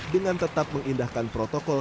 dengan tetap mengindahkan protokol